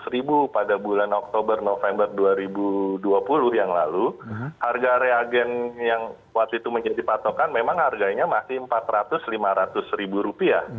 rp seratus pada bulan oktober november dua ribu dua puluh yang lalu harga reagen yang waktu itu menjadi patokan memang harganya masih rp empat ratus lima ratus ribu rupiah